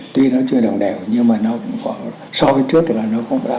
tuy nó chưa đồng đều nhưng mà nó cũng có